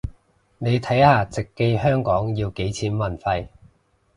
你睇下直寄香港要幾錢運費